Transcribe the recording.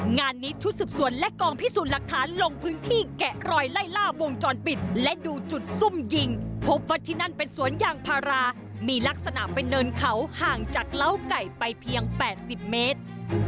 งานนี้ชุดสืบสวนและกองพิสูจน์หลักฐานลงพื้นที่แกะรอยไล่ล่าวงจรปิดและดูจุดซุ่มยิงพบว่าที่นั่นเป็นสวนยางพารามีลักษณะเป็นเนินเขาห่างจากเล้าไก่ไปเพียง๘๐เมตร